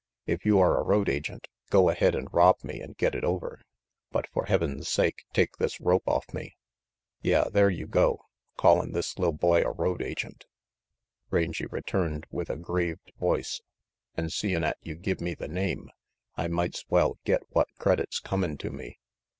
"If you are a road agent, go ahead and rob me and get it over, but for Heaven's sake take this rope off me." "Yeah, there you go, callin' this li'l boy a road agent," Rangy returned with aggrieved voice, "an' seem' 'at you give me the name I might's well get what credit's comin' to me.